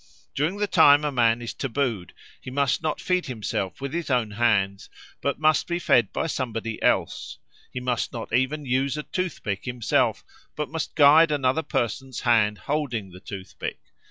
... During the time a man is taboo'd he must not feed himself with his own hands, but must be fed by somebody else: he must not even use a toothpick himself, but must guide another person's hand holding the toothpick.